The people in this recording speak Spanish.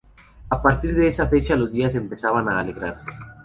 A partir de esta fecha los días empezaban a alargarse.